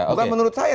bukan menurut saya